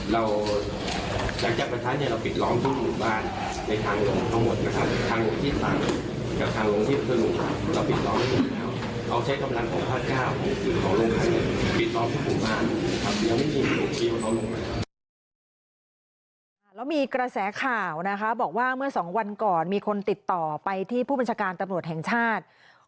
แล้วมีกระแสข่าวนะคะบอกว่าเมื่อ๒วันก่อนมีคนติดต่อไปที่ผู้บัญชาการตำรวจแห่งชาติ